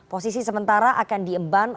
posisi sementara akan diemban